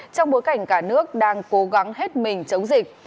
trong bối cảnh cả nước đang cố gắng hết mình chống dịch